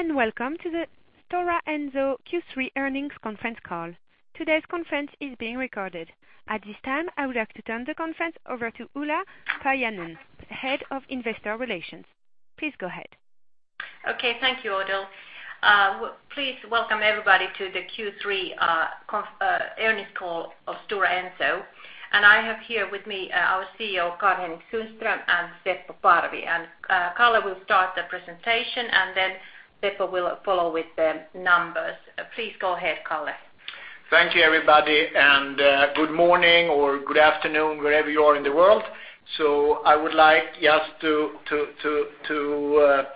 Good day, welcome to the Stora Enso Q3 Earnings conference call. Today's conference is being recorded. At this time, I would like to turn the conference over to Ulla Paajanen, Head of Investor Relations. Please go ahead. Okay. Thank you, Odell. Please welcome everybody to the Q3 Earnings call of Stora Enso. I have here with me our CEO, Karl-Henrik Sundström, and Seppo Parvi. Kalle will start the presentation, then Seppo will follow with the numbers. Please go ahead, Kalle. Thank you, everybody, good morning or good afternoon, wherever you are in the world. I would like just to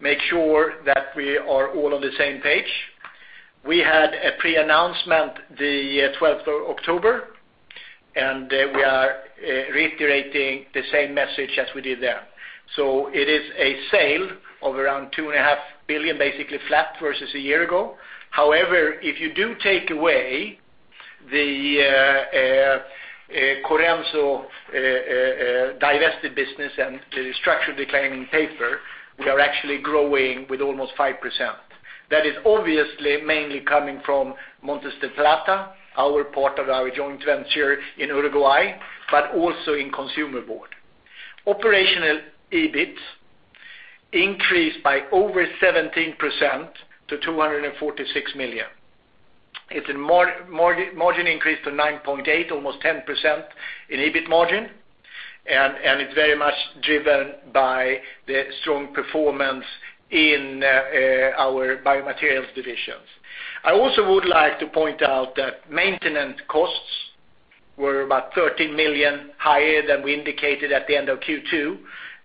make sure that we are all on the same page. We had a pre-announcement the 12th of October, we are reiterating the same message as we did there. It is a sale of around two and a half billion, basically flat versus a year ago. However, if you do take away the Corenso divested business and the structured declining paper, we are actually growing with almost 5%. That is obviously mainly coming from Montes del Plata, our part of our joint venture in Uruguay, but also in consumer board. Operational EBIT increased by over 17% to 246 million. Its margin increased to 9.8%, almost 10% in EBIT margin. It's very much driven by the strong performance in our Biomaterials divisions. I also would like to point out that maintenance costs were about 13 million higher than we indicated at the end of Q2,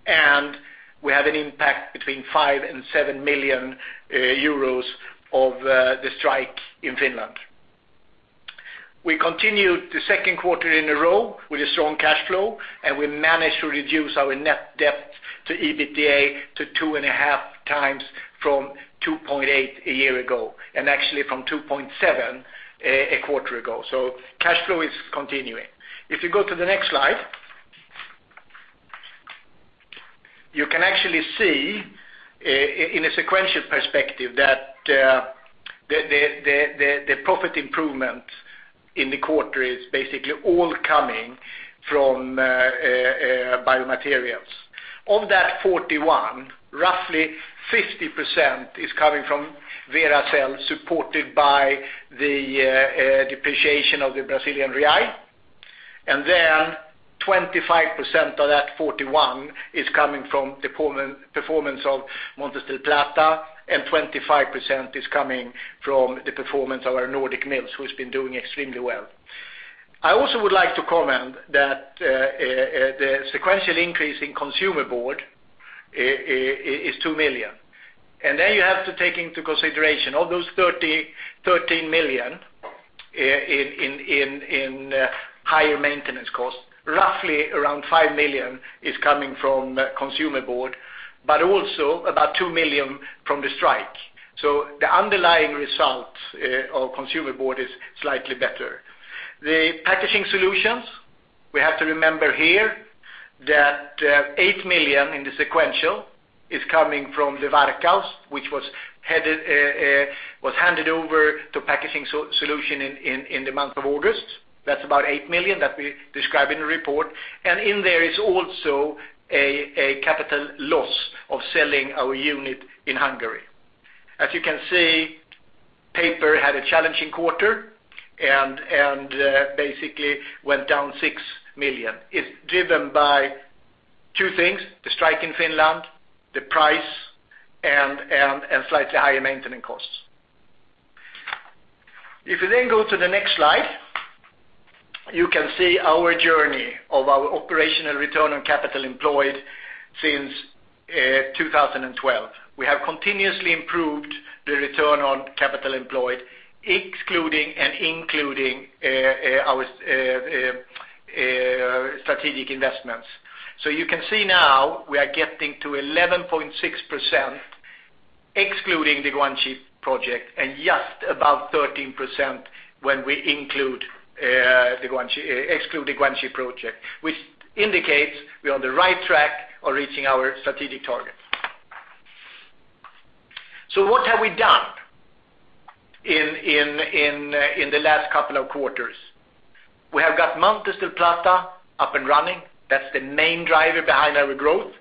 and we have an impact between 5 million and 7 million euros of the strike in Finland. We continued the second quarter in a row with a strong cash flow, we managed to reduce our net debt to EBITDA to 2.5x from 2.8x a year ago, actually from 2.7x a quarter ago. Cash flow is continuing. If you go to the next slide. You can actually see in a sequential perspective that the profit improvement in the quarter is basically all coming from Biomaterials. Of that 41, roughly 50% is coming from Veracel, supported by the depreciation of the Brazilian real. 25% of that 41 is coming from performance of Montes del Plata, and 25% is coming from the performance of our Nordic mills, who's been doing extremely well. I also would like to comment that the sequential increase in consumer board is 2 million. You have to take into consideration of those 13 million in higher maintenance costs, roughly around 5 million is coming from consumer board, but also about 2 million from the strike. The underlying result of consumer board is slightly better. The Packaging Solutions, we have to remember here that 8 million in the sequential is coming from the Varkaus, which was handed over to Packaging Solutions in the month of August. That's about 8 million that we describe in the report. In there is also a capital loss of selling our unit in Hungary. As you can see, paper had a challenging quarter and basically went down 6 million. It's driven by two things, the strike in Finland, the price, and slightly higher maintenance costs. If you go to the next slide, you can see our journey of our operational return on capital employed since 2012. We have continuously improved the return on capital employed, excluding and including our strategic investments. You can see now we are getting to 11.6%, excluding the Guangxi project, and just above 13% when we exclude the Guangxi project, which indicates we are on the right track of reaching our strategic target. What have we done in the last couple of quarters? We have got Montes del Plata up and running. That's the main driver behind our growth.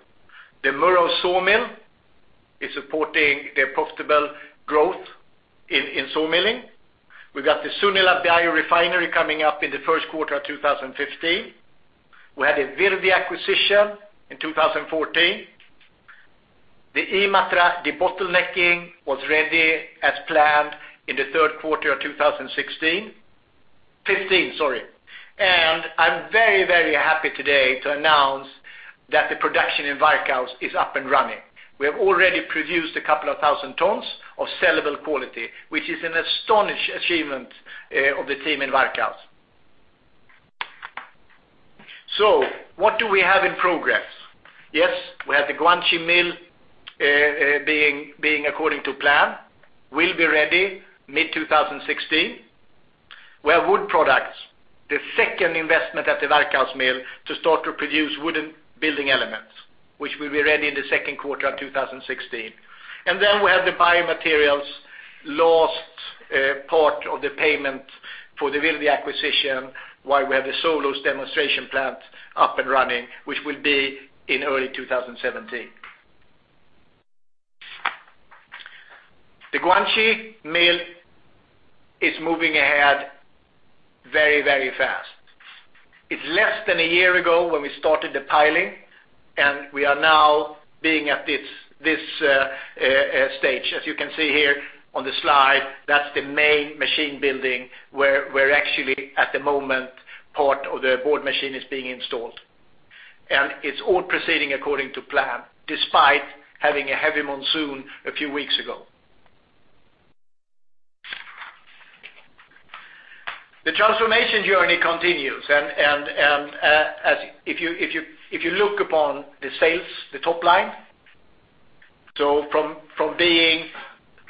The Murów sawmill is supporting the profitable growth in saw milling. We've got the Sunila biorefinery coming up in the first quarter of 2015. We had a Virdia acquisition in 2014. The Imatra debottlenecking was ready as planned in the third quarter of 2016. 2015, sorry. I'm very, very happy today to announce that the production in Varkaus is up and running. We have already produced a couple of thousand tons of sellable quality, which is an astonishing achievement of the team in Varkaus. What do we have in progress? We have the Guangxi mill being according to plan, will be ready mid-2016. We have Wood Products. The second investment at the Varkaus mill to start to produce wooden building elements, which will be ready in the second quarter of 2016. We have the Biomaterials last part of the payment for the Virdia acquisition, while we have the Sunila demonstration plant up and running, which will be in early 2017. The Guangxi mill is moving ahead very fast. It's less than a year ago when we started the piling, and we are now being at this stage. As you can see here on the slide, that's the main machine building where actually at the moment, part of the board machine is being installed. It's all proceeding according to plan despite having a heavy monsoon a few weeks ago. The transformation journey continues, and if you look upon the sales, the top line. From being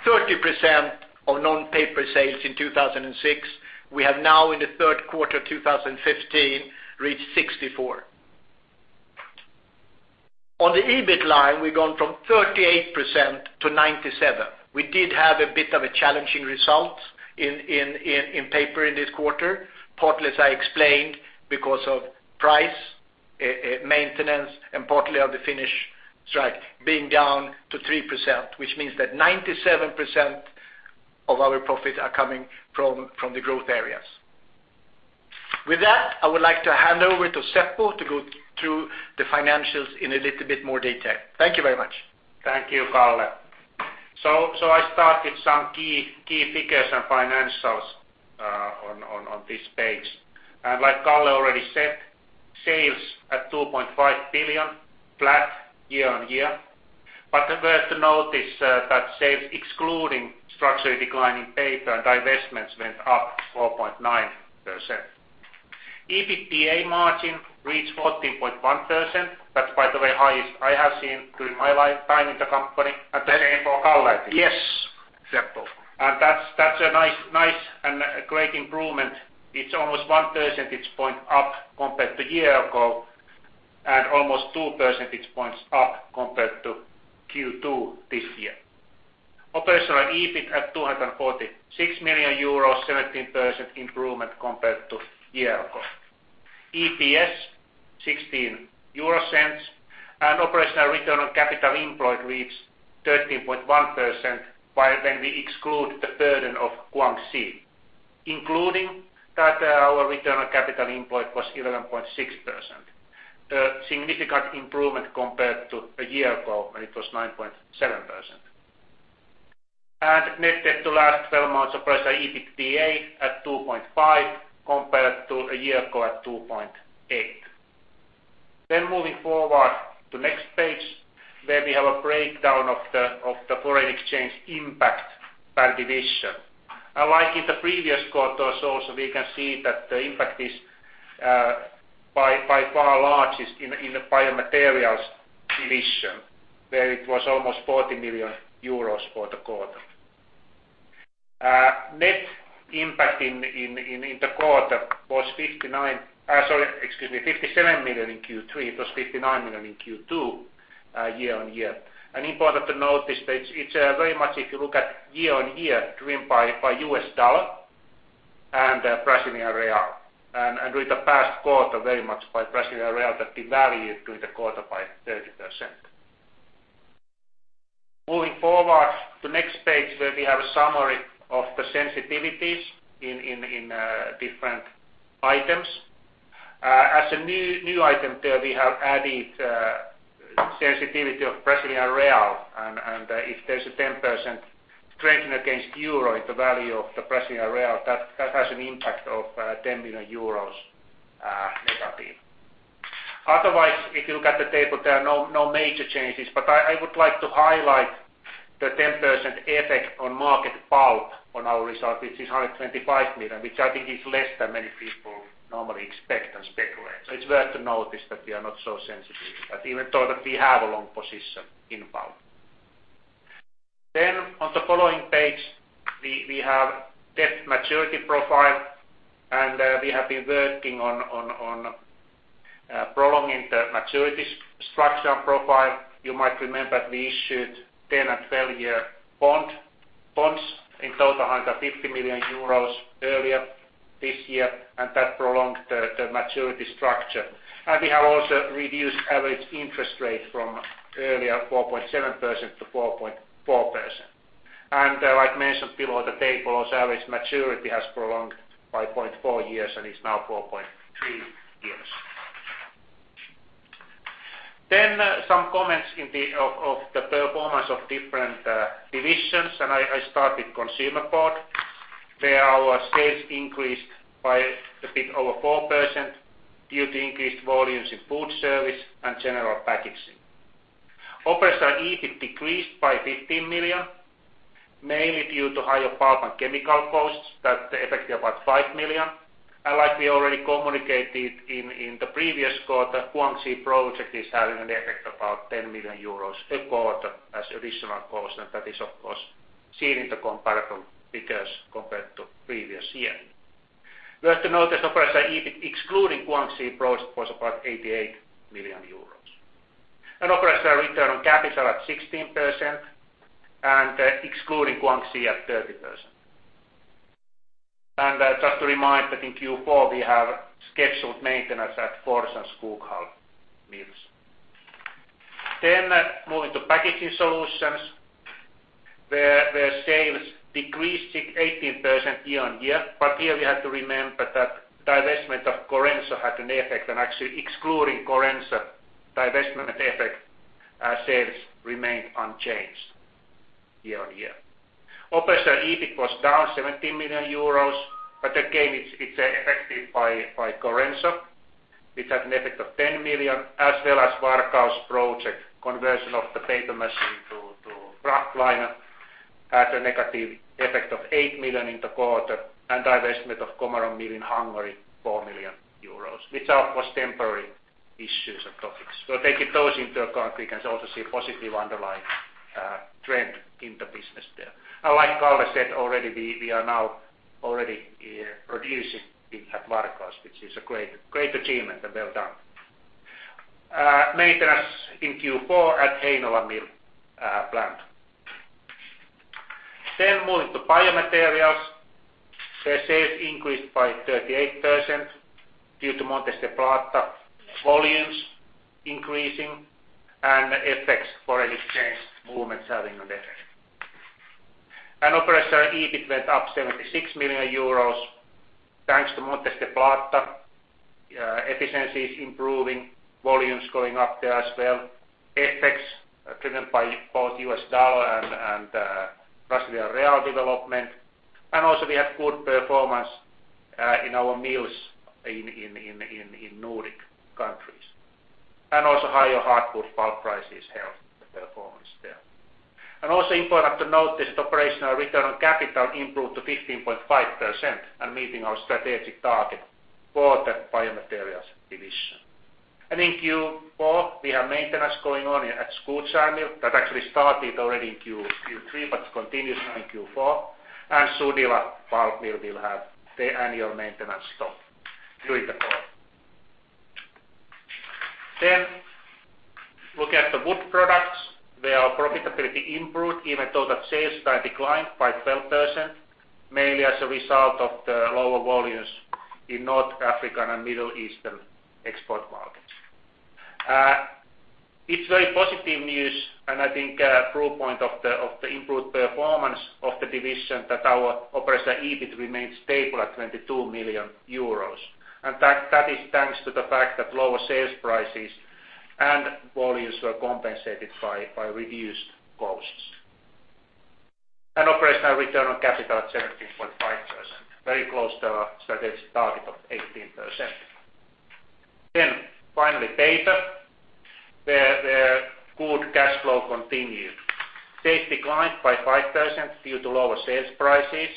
30% of non-paper sales in 2006, we have now in the third quarter 2015 reached 64%. On the EBIT line, we've gone from 38% to 97%. We did have a bit of a challenging result in paper in this quarter, partly as I explained, because of price, maintenance, and partly of the Finnish strike being down to 3%, which means that 97% of our profits are coming from the growth areas. With that, I would like to hand over to Seppo to go through the financials in a little bit more detail. Thank you very much. Thank you, Kalle. I start with some key figures and financials on this page. Like Kalle already said, sales at 2.5 billion, flat year-on-year. We have to notice that sales excluding structurally declining paper and divestments went up 4.9%. EBITDA margin reached 14.1%. That's, by the way, highest I have seen through my time in the company, and the same for Kalle, I think. Yes, Seppo. That's a nice and great improvement. It's almost one percentage point up compared to a year ago and almost two percentage points up compared to Q2 this year. Operational EBIT at 246 million euros, 17% improvement compared to a year ago. EPS 0.16 and operational return on capital employed reached 13.1% while when we exclude the burden of Guangxi. Including that our return on capital employed was 11.6%, a significant improvement compared to a year ago when it was 9.7%. Net debt to last 12 months operational EBITDA at 2.5 compared to a year ago at 2.8. Moving forward to next page, where we have a breakdown of the foreign exchange impact per division. Like in the previous quarters also, we can see that the impact is by far largest in the Biomaterials division, where it was almost 40 million euros for the quarter. Net impact in the quarter was 59, excuse me, 57 million in Q3. It was 59 million in Q2, year-on-year. Important to notice that it's very much if you look at year-on-year, driven by U.S. dollar and Brazilian real. With the past quarter very much by Brazilian real that devalued during the quarter by 30%. Moving forward to next page where we have a summary of the sensitivities in different items. As a new item there, we have added sensitivity of Brazilian real, and if there's a 10% strengthening against EUR in the value of the Brazilian real, that has an impact of 10 million euros negative. Otherwise, if you look at the table, there are no major changes, but I would like to highlight the 10% effect on market pulp on our result, which is 125 million, which I think is less than many people normally expect and speculate. It's worth to notice that we are not so sensitive to that, even though that we have a long position in pulp. On the following page, we have debt maturity profile, and we have been working on prolonging the maturity structure and profile. You might remember we issued 10- and 12-year bonds in total 150 million euros earlier this year, and that prolonged the maturity structure. We have also reduced average interest rate from earlier 4.7% to 4.4%. Like mentioned below the table, average maturity has prolonged by 0.4 years and is now 4.3 years. Some comments of the performance of different divisions, I start with Consumer Board. There our sales increased by a bit over 4% due to increased volumes in food service and general packaging. Operational EBIT decreased by 15 million, mainly due to higher pulp and chemical costs. That affected about 5 million. Like we already communicated in the previous quarter, Guangxi project is having an effect about 10 million euros a quarter as additional cost, and that is, of course, seen in the comparable figures compared to previous year. We have to note that operational EBIT excluding Guangxi project was about 88 million euros. Operational return on capital at 16%, and excluding Guangxi at 30%. Just to remind that in Q4, we have scheduled maintenance at Fors and Skoghall mills. Moving to Packaging Solutions, where sales decreased 18% year-on-year. Here we have to remember that divestment of Corenso had an effect, and actually excluding Corenso divestment effect, sales remained unchanged year-on-year. Operational EBIT was down 17 million euros, but again, it's affected by Corenso, which had an effect of 10 million, as well as Varkaus project conversion of the paper machine to kraftliner had a negative effect of 8 million in the quarter, and divestment of Komárom mill in Hungary, 4 million euros, which, of course, temporary issues or topics. Taking those into account, we can also see a positive underlying trend in the business there. Like Kalle said already, we are now already producing at Varkaus, which is a great achievement and well done. Maintenance in Q4 at Heinola mill plant. Moving to Biomaterials, the sales increased by 38% due to Montes del Plata volumes increasing and effects foreign exchange movements having an effect. Operational EBIT went up 76 million euros thanks to Montes del Plata efficiencies improving, volumes going up there as well, FX driven by both U.S. dollar and Brazilian real development, and also we have good performance in our mills in Nordic countries. Higher hardwood pulp prices helped the performance there. Important to note is operational return on capital improved to 15.5% and meeting our strategic target for the Biomaterials division. In Q4, we have maintenance going on at Skutskär mill that actually started already in Q3 but continues in Q4, and Sunila pulp mill will have the annual maintenance stop during the quarter. Look at the Wood Products, where profitability improved even though the sales declined by 12%, mainly as a result of the lower volumes in North African and Middle Eastern export markets. It's very positive news and I think a proof point of the improved performance of the division that our operational EBIT remains stable at 22 million euros. That is thanks to the fact that lower sales prices and volumes were compensated by reduced costs. Operational return on capital at 17.5%, very close to our strategic target of 18%. Finally, paper, where good cash flow continued. Sales declined by 5% due to lower sales prices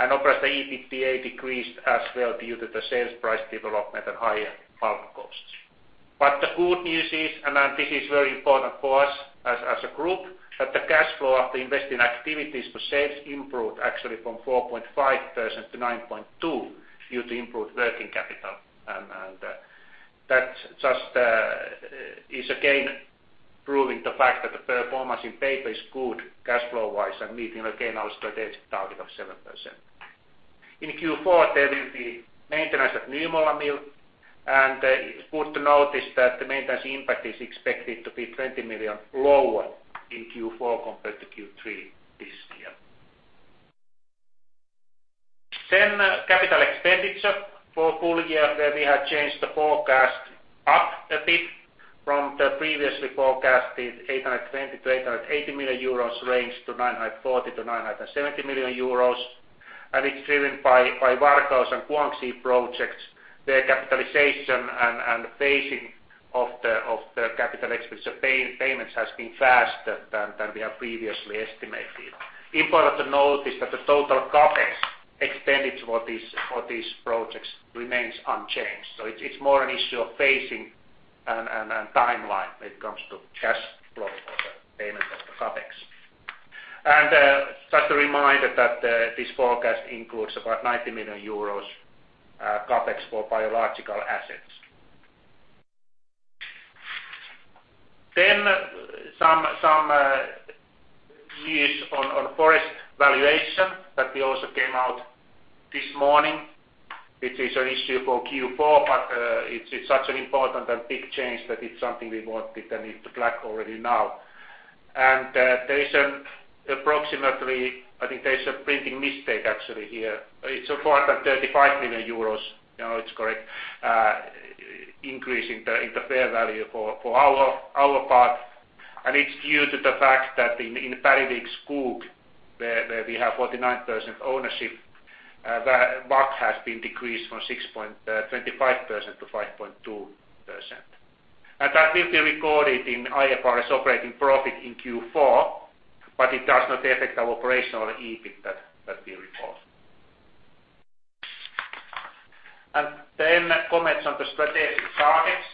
and operational EBITDA decreased as well due to the sales price development and higher pulp costs. The good news is, and this is very important for us as a group, that the cash flow of the investing activities for sales improved actually from 4.5% to 9.2% due to improved working capital. That just is again proving the fact that the performance in paper is good cash flow-wise and meeting again our strategic target of 7%. In Q4, there will be maintenance at Nymölla mill, and it's good to notice that the maintenance impact is expected to be 20 million lower in Q4 compared to Q3 this year. Capital expenditure for full year, where we have changed the forecast up a bit from the previously forecasted 820 million-880 million euros range to 940 million-970 million euros. It's driven by Varkaus and Guangxi projects, their capitalization and the phasing of the capital expenditure payments has been faster than we have previously estimated. Important to note is that the total CapEx expenditure for these projects remains unchanged. It's more an issue of phasing and timeline when it comes to cash flow for the payment of the CapEx. Just a reminder that this forecast includes about 90 million euros CapEx for biological assets. Some news on forest valuation that we also came out this morning. It is an issue for Q4, but it's such an important and big change that it's something we wanted to flag already now. There is an approximately, I think there is a printing mistake actually here. It's 435 million euros, it's correct, increase in the fair value for our part, and it's due to the fact that in Bergvik Skog, where we have 49% ownership, WACC has been decreased from 6.25% to 5.2%. That will be recorded in IFRS operating profit in Q4, but it does not affect our operational EBIT that we report. Comments on the strategic targets.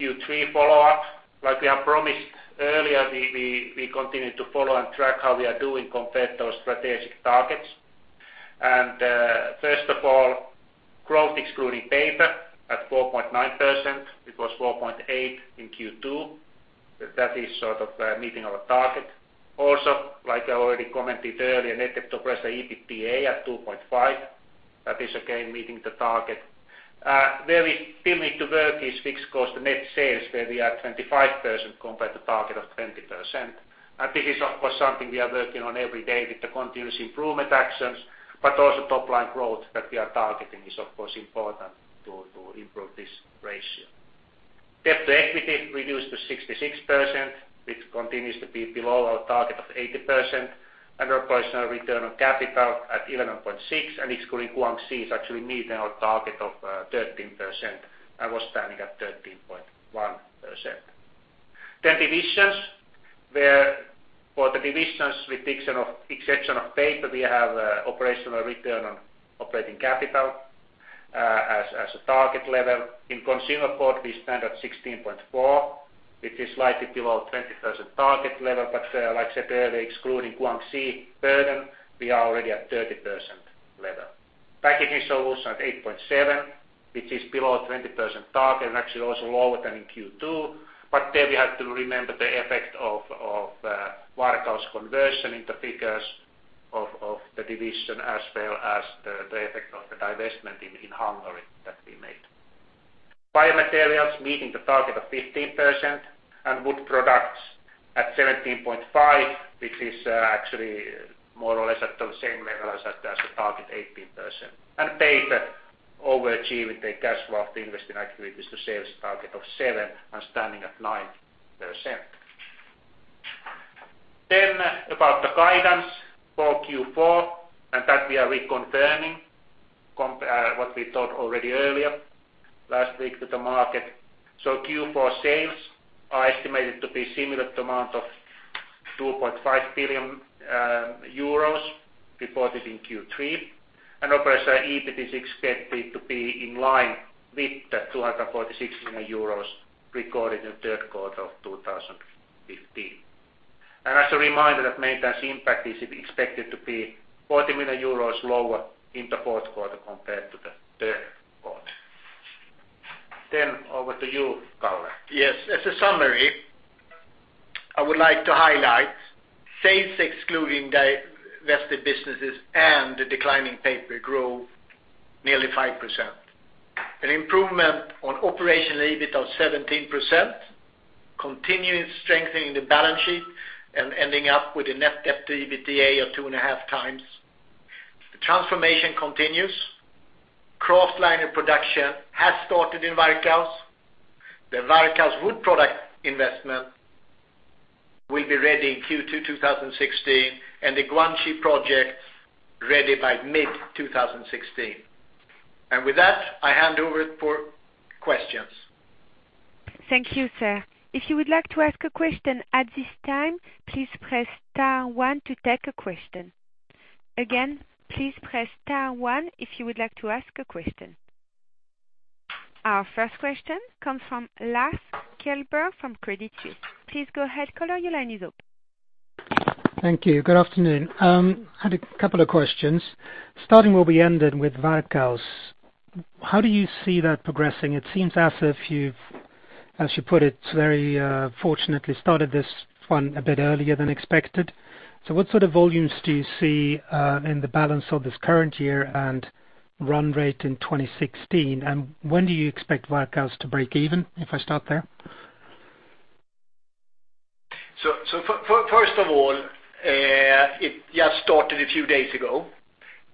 Q3 follow-up, like we have promised earlier, we continue to follow and track how we are doing compared to our strategic targets. First of all, growth excluding paper at 4.9%, it was 4.8% in Q2. That is sort of meeting our target. Also, like I already commented earlier, net debt to EBITDA at 2.5x. That is again meeting the target. Where we still need to work is fixed cost net sales, where we are at 25% compared to target of 20%. This is of course something we are working on every day with the continuous improvement actions, but also top line growth that we are targeting is of course important to improve this ratio. Debt to equity reduced to 66%, which continues to be below our target of 80%, and our operational return on capital at 11.6% and excluding Guangxi is actually meeting our target of 13% and was standing at 13.1%. Divisions. Where for the divisions with exception of paper, we have operational return on operating capital as a target level. In Consumer Board we stand at 16.4%, which is slightly below 20% target level, but like I said earlier excluding Guangxi burden, we are already at 30% level. Packaging Solutions at 8.7%, which is below 20% target and actually also lower than in Q2. There we have to remember the effect of Varkaus conversion in the figures of the division as well as the effect of the divestment in Hungary that we made. Biomaterials meeting the target of 15% and Wood Products at 17.5%, which is actually more or less at the same level as the target 18%. Paper overachieving the cash flow investing activities to sales target of 7% and standing at 9%. About the guidance for Q4, that we are reconfirming what we thought already earlier last week to the market. Q4 sales are estimated to be similar to amount of 2.5 billion euros reported in Q3. Operational EBIT is expected to be in line with the 246 million euros recorded in the third quarter of 2015. As a reminder that maintenance impact is expected to be 40 million euros lower in the fourth quarter compared to the third quarter. Over to you, Kalle. Yes. As a summary, I would like to highlight sales excluding divested businesses and the declining paper grew nearly 5%. An improvement on operational EBIT of 17%, continuing strengthening the balance sheet and ending up with a net debt to EBITDA of 2.5 times. The transformation continues. kraftliner production has started in Varkaus. The Varkaus wood product investment will be ready in Q2 2016 and the Guangxi project ready by mid-2016. With that, I hand over for questions. Thank you, sir. If you would like to ask a question at this time, please press star one to take a question. Again, please press star one if you would like to ask a question. Our first question comes from Lars Kjellberg from Credit Suisse. Please go ahead. Kalle, your line is open. Thank you. Good afternoon. Had a couple of questions. Starting where we ended with Varkaus. How do you see that progressing? It seems as if you've, as you put it very fortunately started this one a bit earlier than expected. What sort of volumes do you see in the balance of this current year and run rate in 2016? When do you expect Varkaus to break even? If I start there. First of all, it just started a few days ago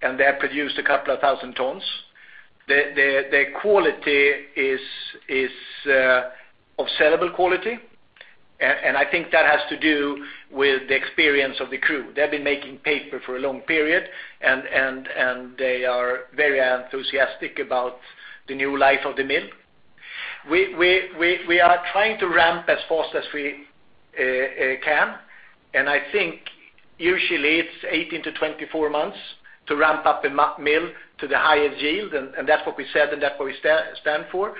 and they have produced a couple of 1,000 tons. Their quality is of sellable quality. I think that has to do with the experience of the crew. They've been making paper for a long period and they are very enthusiastic about the new life of the mill. We are trying to ramp as fast as we can and I think usually it's 18-24 months to ramp up a mill to the highest yield and that's what we said and that's what we stand for.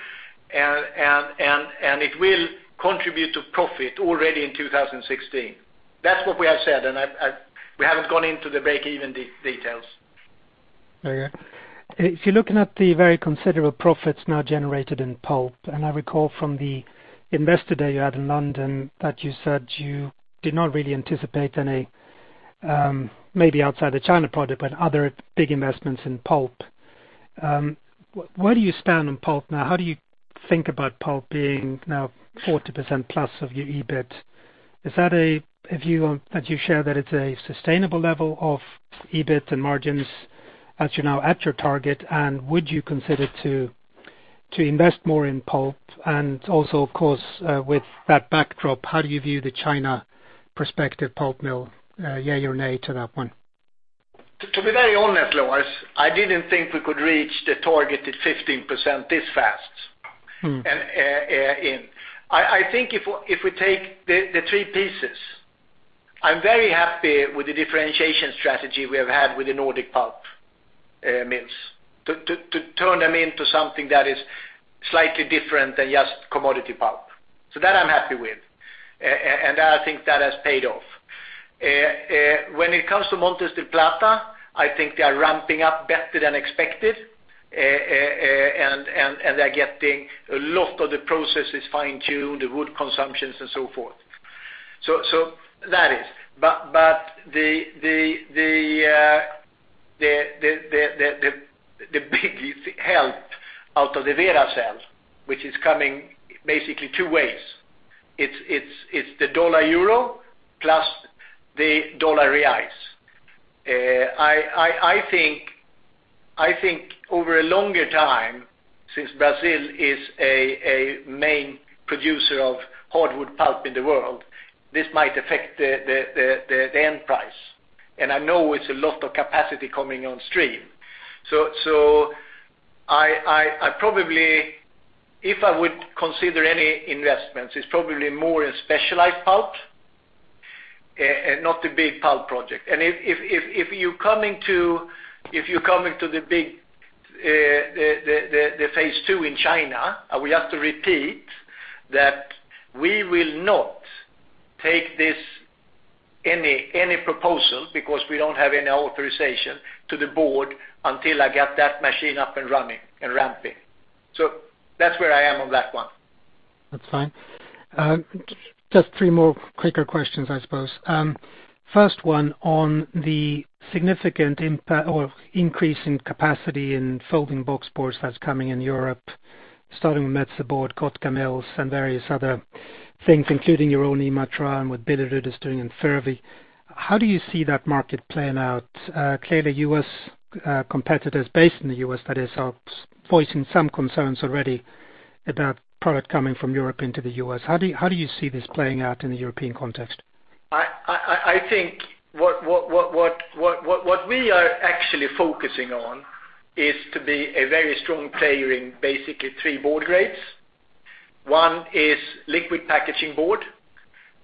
It will contribute to profit already in 2016. That's what we have said, and we haven't gone into the break-even details. Okay. If you're looking at the very considerable profits now generated in pulp, I recall from the investor day you had in London that you said you did not really anticipate any maybe outside the China project but other big investments in pulp. Where do you stand on pulp now? How do you think about pulp being now 40%+ of your EBIT? That you share that it's a sustainable level of EBIT and margins as you're now at your target and would you consider to invest more in pulp and also of course with that backdrop how do you view the China prospective pulp mill, yay or nay to that one? To be very honest, Lars, I didn't think we could reach the targeted 15% this fast. I think if we take the three pieces, I'm very happy with the differentiation strategy we have had with the Nordic pulp mills, to turn them into something that is slightly different than just commodity pulp. That I'm happy with, and I think that has paid off. When it comes to Montes del Plata, I think they are ramping up better than expected, and they're getting a lot of the processes fine-tuned, the wood consumptions and so forth. The big help out of the Veracel, which is coming basically two ways. It's the dollar/euro plus the dollar/reais. I think over a longer time, since Brazil is a main producer of hardwood pulp in the world, this might affect the end price. I know it's a lot of capacity coming on stream. I probably, if I would consider any investments, it's probably more in specialized pulp, not the big pulp project. If you're coming to the big phase 2 in China, we have to repeat that we will not take any proposals, because we don't have any authorization to the board until I get that machine up and running and ramping. That's where I am on that one. That's fine. Just three more quicker questions, I suppose. First one on the significant impact or increase in capacity in folding box boards that's coming in Europe, starting with Metsä Board, Kotkamills, and various other things, including your own Imatra and what Billerud is doing in Frövi. How do you see that market playing out? Clearly, competitors based in the U.S. that is, are voicing some concerns already about product coming from Europe into the U.S. How do you see this playing out in the European context? I think what we are actually focusing on is to be a very strong player in basically three board grades. One is liquid packaging board,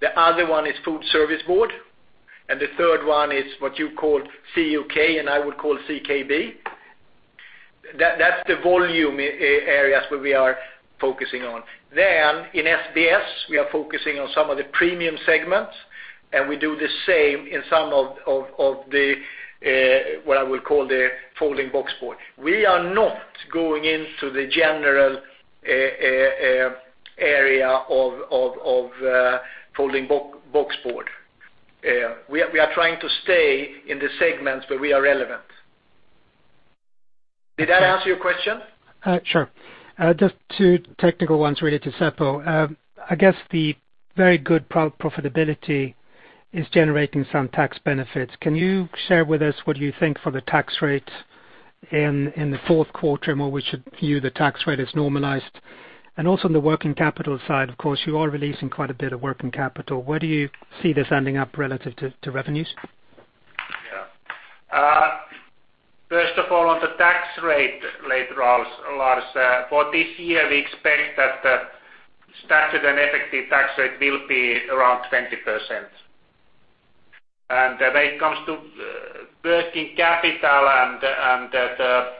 the other one is food service board, and the third one is what you call CUK and I would call CKB. That's the volume areas where we are focusing on. In SBS, we are focusing on some of the premium segments, and we do the same in some of the, what I will call the folding boxboard. We are not going into the general area of folding boxboard. We are trying to stay in the segments where we are relevant. Did that answer your question? Sure. Just two technical ones, really, to settle. I guess the very good profitability is generating some tax benefits. Can you share with us what you think for the tax rate in the fourth quarter and what we should view the tax rate as normalized? Also on the working capital side, of course, you are releasing quite a bit of working capital. Where do you see this ending up relative to revenues? First of all, on the tax rate, Lars, for this year, we expect that the statute and effective tax rate will be around 20%. When it comes to working capital and the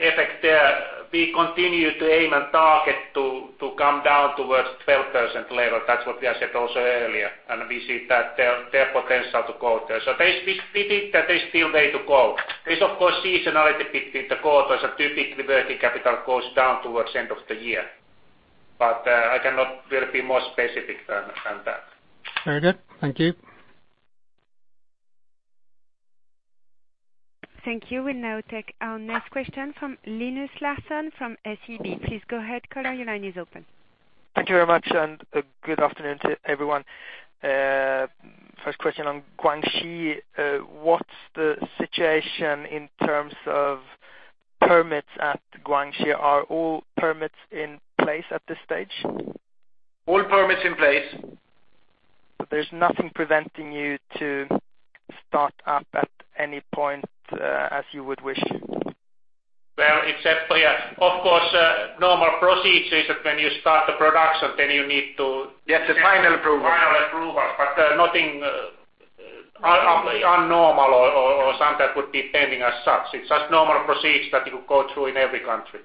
effect there, we continue to aim and target to come down towards 12% level. That's what we have said also earlier, and we see that there's potential to go there. There's still way to go. There's of course seasonality between the quarters and typically working capital goes down towards end of the year. I cannot really be more specific than that. Very good. Thank you. Thank you. We'll now take our next question from Linus Larsson from SEB. Please go ahead. Colin, your line is open. Thank you very much. Good afternoon to everyone. First question on Guangxi. What's the situation in terms of permits at Guangxi? Are all permits in place at this stage? All permits in place. There's nothing preventing you to start up at any point, as you would wish? Well, except, of course, normal procedures when you start the production. Get the final approval. Get the final approval. Nothing abnormal or something that would be pending as such. It's just normal procedures that you go through in every country.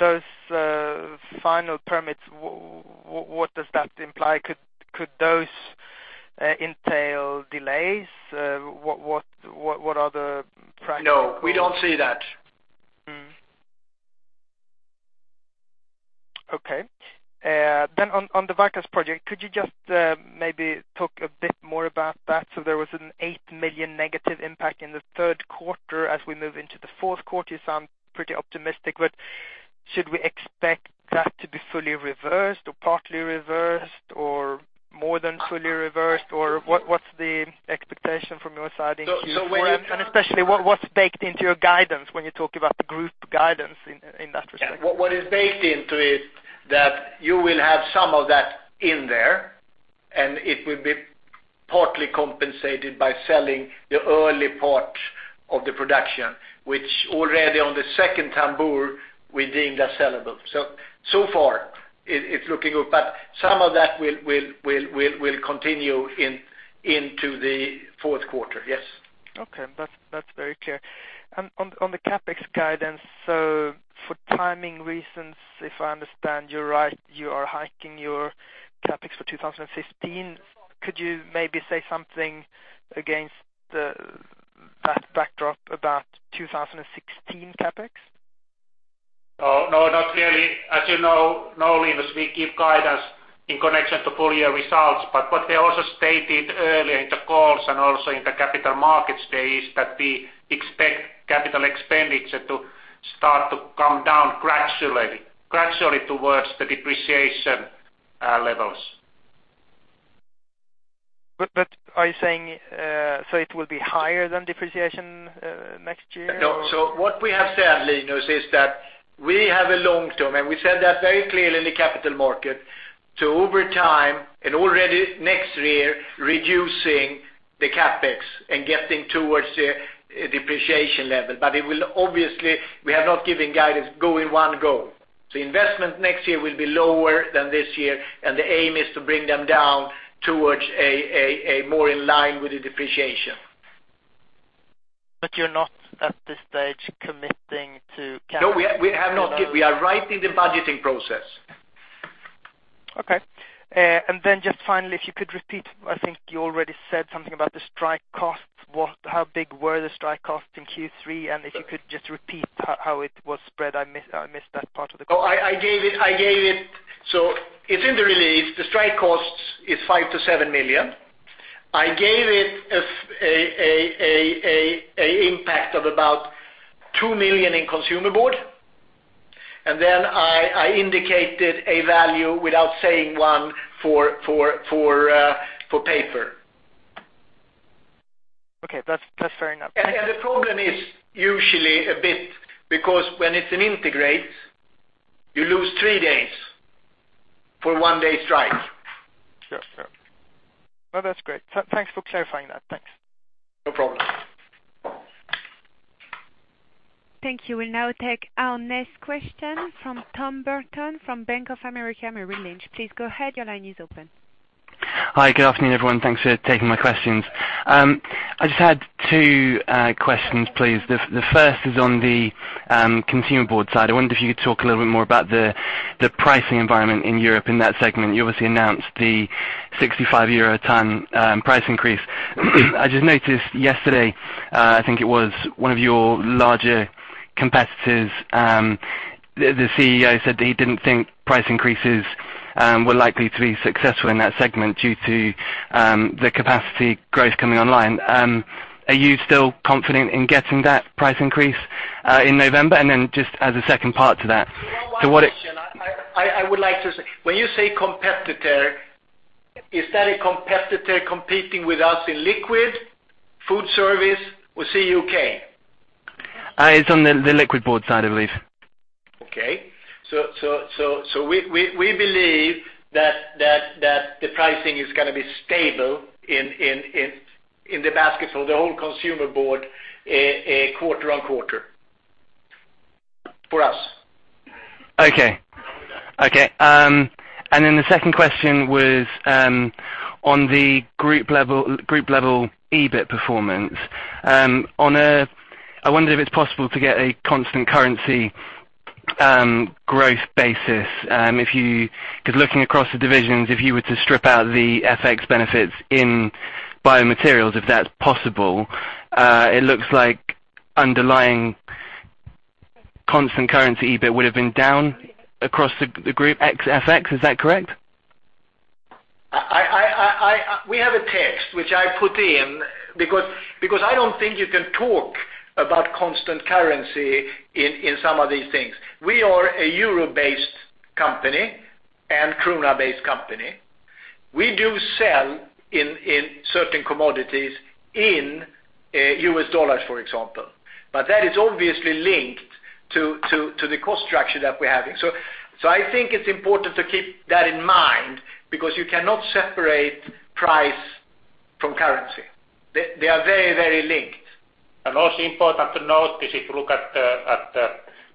Those final permits, what does that imply? Could those entail delays? What are the practical? No, we don't see that. Okay. On the Varkaus project, could you just maybe talk a bit more about that? There was an 8 million negative impact in the third quarter. As we move into the fourth quarter, you sound pretty optimistic, but should we expect that to be fully reversed or partly reversed or more than fully reversed? Or what's the expectation from your side in Q4? Especially, what's baked into your guidance when you talk about the group guidance in that respect? What is baked into it? That you will have some of that in there, and it will be partly compensated by selling the early part of the production, which already on the second tambour we deemed unsellable. Far it's looking good, but some of that will continue into the fourth quarter. Yes. That's very clear. On the CapEx guidance, for timing reasons, if I understand you right, you are hiking your CapEx for 2015. Could you maybe say something against that backdrop about 2016 CapEx? No, not really. As you know, Linus, we give guidance in connection to full year results. What we also stated earlier in the calls and also in the capital markets day is that we expect capital expenditure to start to come down gradually towards the depreciation levels. Are you saying so it will be higher than depreciation next year? No. What we have said, Linus, is that we have a long term, and we said that very clearly in the capital market. Over time and already next year, reducing the CapEx and getting towards the depreciation level. Obviously, we have not given guidance go in one go. Investment next year will be lower than this year, and the aim is to bring them down towards a more in line with the depreciation. You're not at this stage committing to capital. No, we are right in the budgeting process. Okay. Just finally, if you could repeat, I think you already said something about the strike costs. How big were the strike costs in Q3? If you could just repeat how it was spread, I missed that part of the call. It's in the release. The strike costs is 5 million-7 million. I gave it a impact of about 2 million in consumer board. I indicated a value without saying one for paper. Okay. That's fair enough. Thank you. The problem is usually a bit because when it's an integrated, you lose three days for one-day strike. Yeah. No, that's great. Thanks for clarifying that. Thanks. No problem. Thank you. We will now take our next question from Tom Burton from Bank of America Merrill Lynch. Please go ahead. Your line is open. Hi. Good afternoon, everyone. Thanks for taking my questions. I just had two questions, please. The first is on the consumer board side. I wonder if you could talk a little bit more about the pricing environment in Europe in that segment. You obviously announced the 65 euro a ton price increase. I just noticed yesterday, I think it was one of your larger competitors, the CEO said that he didn't think price increases were likely to be successful in that segment due to the capacity growth coming online. Are you still confident in getting that price increase in November? Just as a second part to that One question. I would like to say, when you say competitor, is that a competitor competing with us in liquid, food service or CUK? It's on the liquid board side, I believe. Okay. We believe that the pricing is going to be stable in the basket for the whole consumer board quarter-on-quarter for us. Okay. The second question was on the group level EBIT performance. I wonder if it is possible to get a constant currency growth basis. Looking across the divisions, if you were to strip out the FX benefits in Biomaterials, if that is possible, it looks like underlying constant currency EBIT would have been down across the group ex FX. Is that correct? We have a text which I put in because I do not think you can talk about constant currency in some of these things. We are a euro-based company and krona-based company. We do sell in certain commodities in US dollars, for example. That is obviously linked to the cost structure that we are having. I think it is important to keep that in mind because you cannot separate price from currency. They are very linked. Also important to note is if you look at the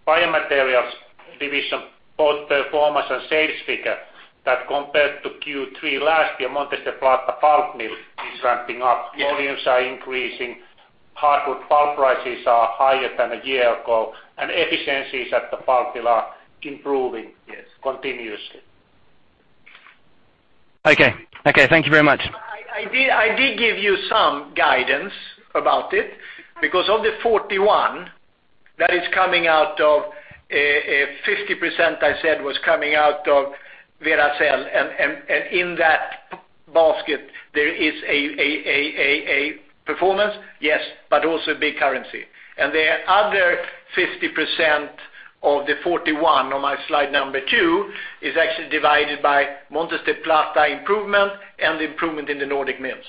Biomaterials division, both performance and sales figure that compared to Q3 last year, Montes del Plata pulp mill is ramping up. Yes. Volumes are increasing. Hardwood pulp prices are higher than a year ago, and efficiencies at the pulp mill are improving. Yes continuously. Okay. Thank you very much. I did give you some guidance about it because of the 41 that is coming out of a 50% I said was coming out of Veracel. In that basket there is a performance, yes, but also big currency. The other 50% of the 41 on my slide number two is actually divided by Montes del Plata improvement and improvement in the Nordic mills.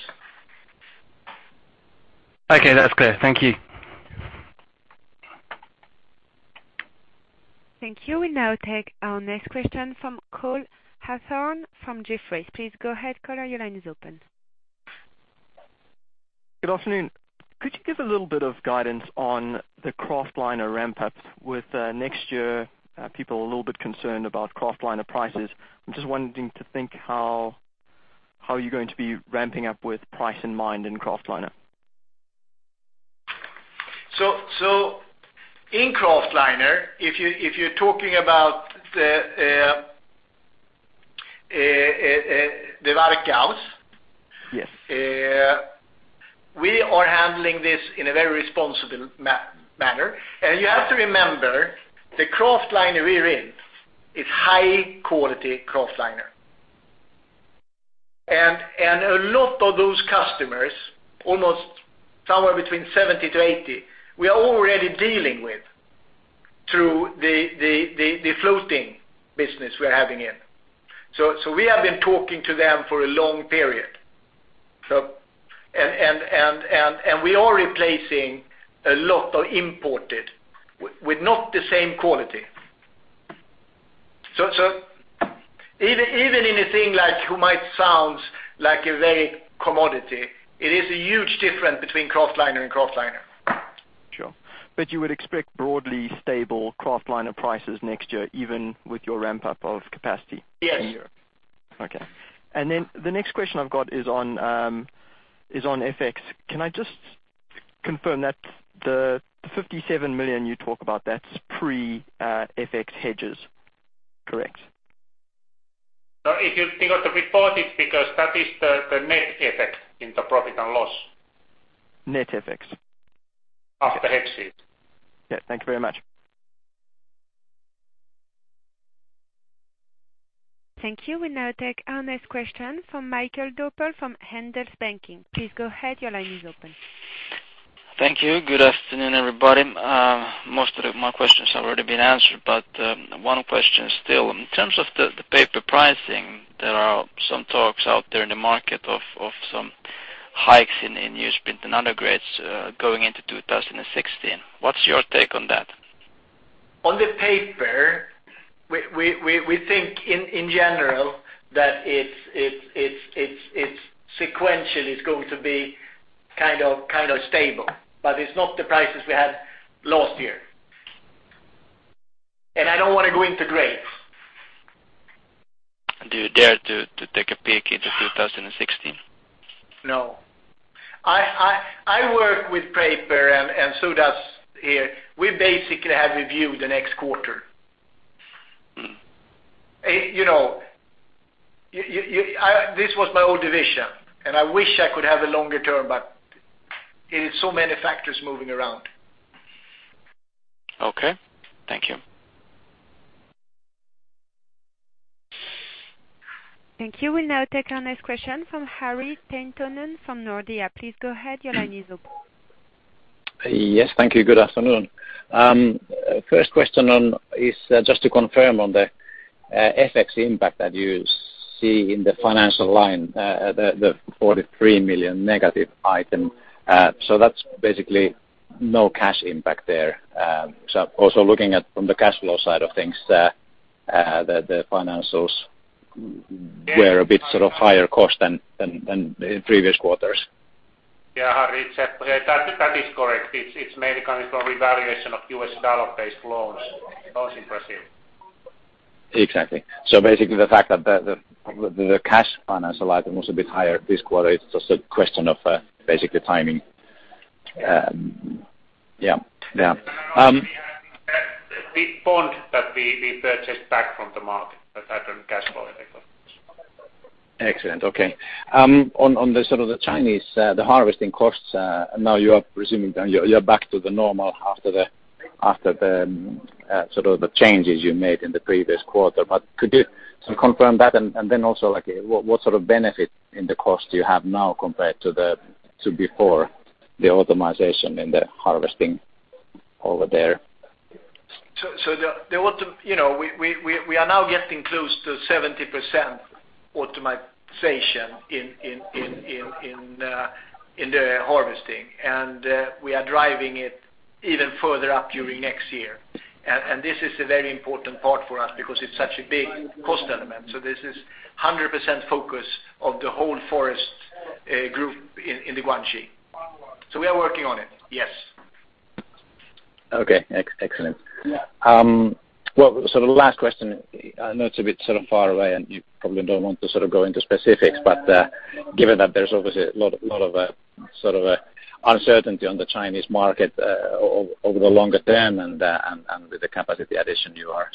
Okay, that's clear. Thank you. Thank you. We'll now take our next question from Cole Hathorn from Jefferies. Please go ahead. Cole, your line is open. Good afternoon. Could you give a little bit of guidance on the kraftliner ramp-up with next year? People are a little bit concerned about kraftliner prices. I'm just wanting to think how you're going to be ramping up with price in mind in kraftliner. In kraftliner, if you're talking about the Varkaus. Yes we are handling this in a very responsible manner. You have to remember, the kraftliner we're in is high-quality kraftliner. A lot of those customers, almost somewhere between 70 to 80, we are already dealing with through the fluting business we're having in. We have been talking to them for a long period. We are replacing a lot of imported, with not the same quality. Even in a thing like who might sound like a very commodity, it is a huge difference between kraftliner and kraftliner. Sure. You would expect broadly stable kraftliner prices next year, even with your ramp-up of capacity. Yes in Europe. Okay. The next question I've got is on FX. Can I just confirm that the 57 million you talk about, that's pre-FX hedges, correct? No, because the report is because that is the net effect in the profit and loss. Net FX. After hedges. Yeah. Thank you very much. Thank you. We'll now take our next question from Mikael Doebel from Handelsbanken. Please go ahead. Your line is open. Thank you. Good afternoon, everybody. Most of my questions have already been answered, one question still. In terms of the paper pricing, there are some talks out there in the market of some hikes in newsprint and other grades going into 2016. What's your take on that? On the paper, we think in general that it's sequentially is going to be kind of stable. It's not the prices we had last year. I don't want to go into grades. Do you dare to take a peek into 2016? No. I work with paper and so does here. We basically have reviewed the next quarter. This was my old division, and I wish I could have a longer term, but it is so many factors moving around. Okay. Thank you. Thank you. We'll now take our next question from Harri Penttinen from Nordea. Please go ahead. Your line is open. Yes. Thank you. Good afternoon. First question is just to confirm on the FX impact that you see in the financial line, the 43 million negative item. That's basically no cash impact there. Also looking at from the cash flow side of things, the financials were a bit sort of higher cost than the previous quarters. Yeah, Harri, that is correct. It's mainly coming from revaluation of US dollar-based loans in Brazil. Exactly. Basically, the fact that the cash finance line was a bit higher this quarter, it's just a question of basically timing. Yeah. We had that big bond that we purchased back from the market that had a cash flow effect on this. Excellent. Okay. On the Chinese harvesting costs, now you are presuming you're back to the normal after the changes you made in the previous quarter. Could you confirm that and then also what sort of benefit in the cost do you have now compared to before the automation in the harvesting over there? We are now getting close to 70% automation in the harvesting, we are driving it even further up during next year. This is a very important part for us because it's such a big cost element. This is 100% focus of the whole forest group in the Guangxi. We are working on it, yes. Okay. Excellent. Yeah. The last question, I know it's a bit far away and you probably don't want to go into specifics, given that there's obviously a lot of uncertainty on the Chinese market over the longer term and with the capacity addition you are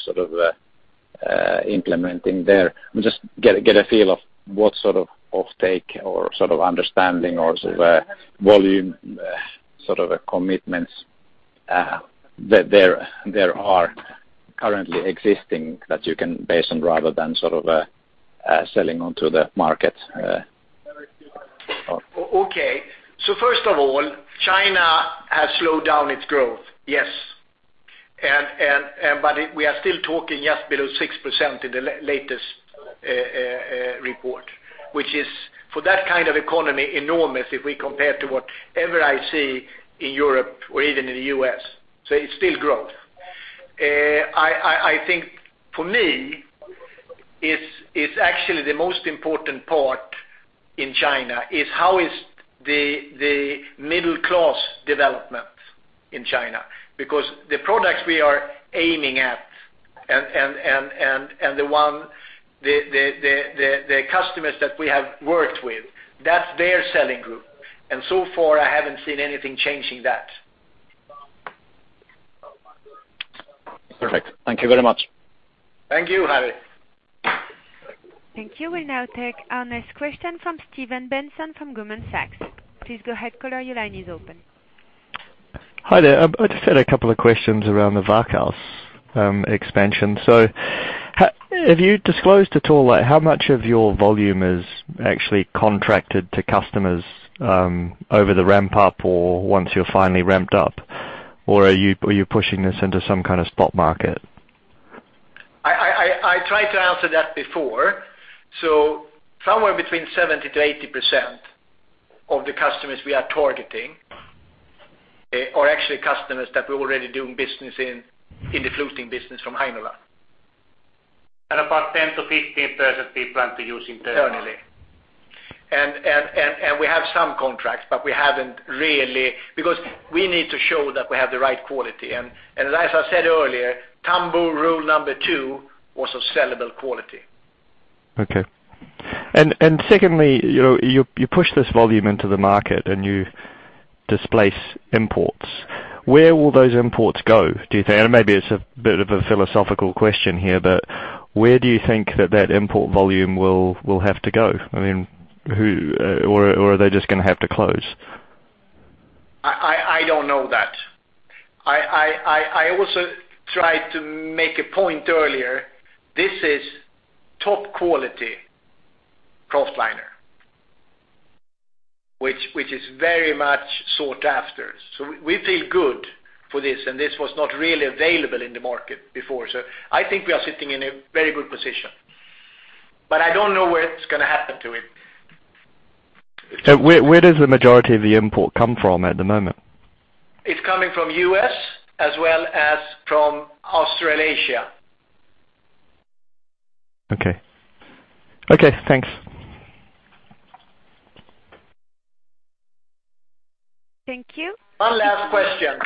implementing there. Just get a feel of what sort of off take or understanding or volume commitments there are currently existing that you can base on rather than selling onto the market. Okay. First of all, China has slowed down its growth, yes. We are still talking just below 6% in the latest report, which is, for that kind of economy, enormous if we compare to whatever I see in Europe or even in the U.S. It's still growth. I think for me, it's actually the most important part in China, is how is the middle class development in China? The products we are aiming at and the customers that we have worked with, that's their selling group, and so far I haven't seen anything changing that. Perfect. Thank you very much. Thank you, Harri. Thank you. We'll now take our next question from Steven Benson from Goldman Sachs. Please go ahead, caller, your line is open. Hi there. I just had a couple of questions around the Varkaus expansion. Have you disclosed at all how much of your volume is actually contracted to customers over the ramp-up, or once you're finally ramped up? Are you pushing this into some kind of spot market? I tried to answer that before. Somewhere between 70%-80% of the customers we are targeting are actually customers that we're already doing business in the fluting business from Heinola. About 10%-15% we plan to use internally. Internally. We have some contracts. Because we need to show that we have the right quality. As I said earlier, tambour rule number 2 was of sellable quality. Okay. Secondly, you push this volume into the market and you displace imports. Where will those imports go, do you think? Maybe it's a bit of a philosophical question here, but where do you think that that import volume will have to go? Are they just going to have to close? I don't know that. I also tried to make a point earlier. This is top-quality kraftliner, which is very much sought after. We feel good for this, and this was not really available in the market before. I think we are sitting in a very good position. I don't know where it's going to happen to it. Where does the majority of the import come from at the moment? It's coming from U.S. as well as from Australasia. Okay. Okay, thanks. Thank you. One last question.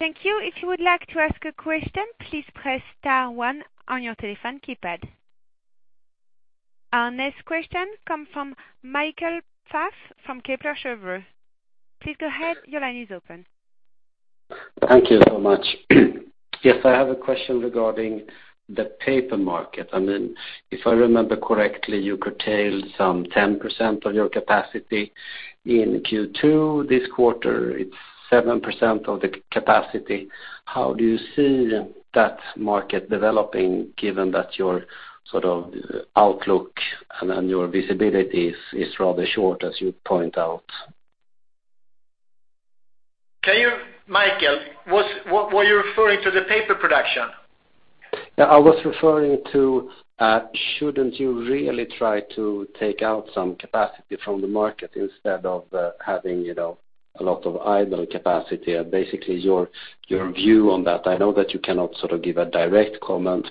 Thank you. If you would like to ask a question, please press star one on your telephone keypad. Our next question comes from Michael Pfaff from Kepler Cheuvreux. Please go ahead, your line is open. I have a question regarding the paper market. If I remember correctly, you curtailed some 10% of your capacity in Q2. This quarter, it's 7% of the capacity. How do you see that market developing, given that your outlook and your visibility is rather short, as you point out? Michael, were you referring to the paper production? I was referring to shouldn't you really try to take out some capacity from the market instead of having a lot of idle capacity? Basically, your view on that. I know that you cannot give a direct comment,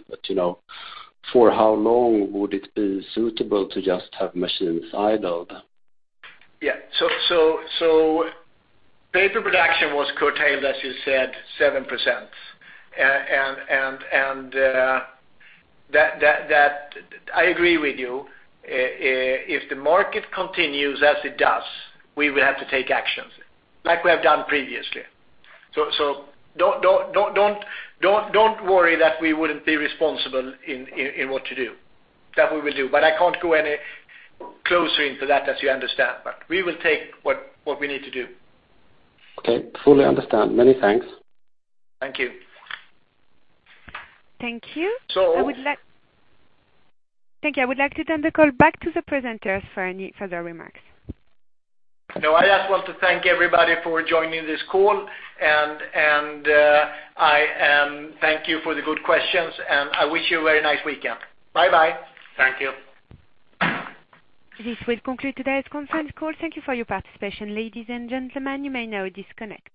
for how long would it be suitable to just have machines idled? Paper production was curtailed, as you said, 7%. That I agree with you. If the market continues as it does, we will have to take actions like we have done previously. Don't worry that we wouldn't be responsible in what to do. That we will do. I can't go any closer into that, as you understand. We will take what we need to do. Okay. Fully understand. Many thanks. Thank you. Thank you. I would like to turn the call back to the presenters for any further remarks. No, I just want to thank everybody for joining this call, and thank you for the good questions, and I wish you a very nice weekend. Bye-bye. Thank you. This will conclude today's conference call. Thank you for your participation. Ladies and gentlemen, you may now disconnect.